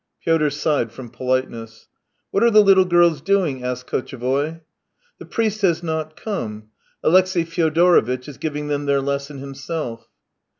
Pyotr sighed from politeness. "What are the httle girls doing?" asked Kotchevoy. " The priest has not come. Alexey Fyodoro vitch is giving them their lesson himself."